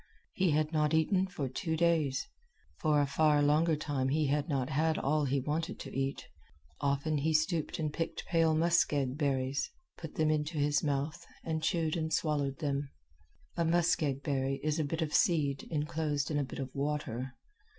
He had not eaten for two days; for a far longer time he had not had all he wanted to eat. Often he stooped and picked pale muskeg berries, put them into his mouth, and chewed and swallowed them. A muskeg berry is a bit of seed enclosed in a bit of water.